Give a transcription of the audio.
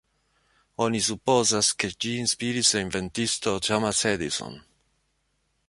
Oni supozas ke ĝi inspiris la inventisto Thomas Edison.